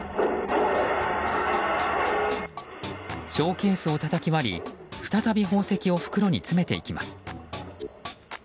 ショーケースをたたき割り再び宝石を袋に詰めていきます。